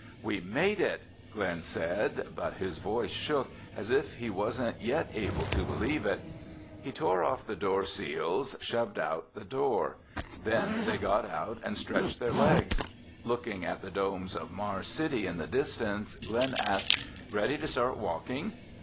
"We made it," Glen said, but his voice shook, as if he wasn't yet able to believe it. He tore off the door seals, shoved out the door. Then they got out and stretched their legs. Looking at the domes of Mars City in the distance, Glen asked, "Ready to start walking?"